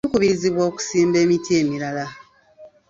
Tukubirizibwa okusimba emiti emirala.